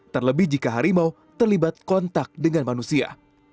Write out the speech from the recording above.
terlebih jika harimau terlibat kontak dengan manusia